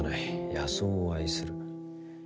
野草を愛する。